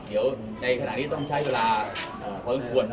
เดี๋ยวในขณะนี้ต้องใช้เวลาเวิร์นควรนะครับ